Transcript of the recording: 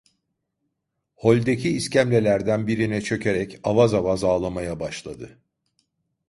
Holdeki iskemlelerden birine çökerek avaz avaz ağlamaya başladı.